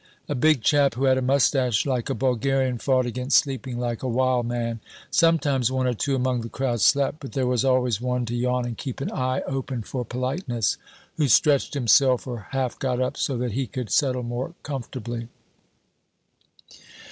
A big chap who had a mustache like a Bulgarian fought against sleeping like a wild man. Sometimes one or two among the crowd slept, but there was always one to yawn and keep an eye open for politeness, who stretched himself or half got up so that he could settle more comfortably.